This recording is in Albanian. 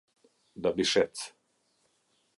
Dabishec